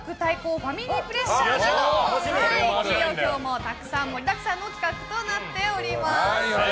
ファミリープレッシャーなど今日も盛りだくさんの企画となっております。